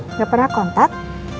nggak pernah kontak